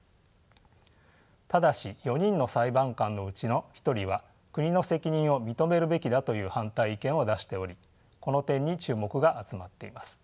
ただし４人の裁判官のうちの１人は国の責任を認めるべきだという反対意見を出しておりこの点に注目が集まっています。